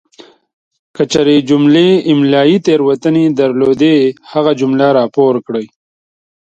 کچیري جملې املائي تیروتنې درلودې هغه جمله راپور کړئ!